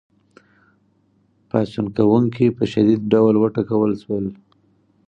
پاڅون کوونکي په شدید ډول وټکول شول.